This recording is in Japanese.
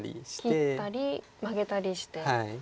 切ったりマゲたりして。